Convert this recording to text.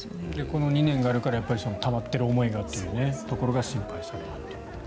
この２年があるからたまっている思いがというのが懸念されると。